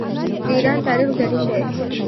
د ایران تاریخ زرین دی.